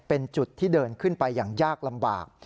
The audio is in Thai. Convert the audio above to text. เป็นจุดที่เดินขึ้นไปอย่างยากลำบาก